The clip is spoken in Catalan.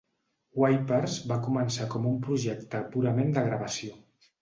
Wipers va començar com un projecte purament de gravació.